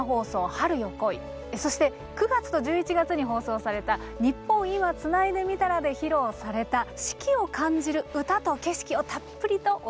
そして９月と１１月に放送された「ニッポン『今』つないでみたら」で披露された四季を感じる歌と景色をたっぷりとお届けします。